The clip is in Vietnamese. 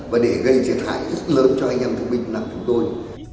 và để gây thiệt hại lớn cho anh em thương minh nằm trong tôi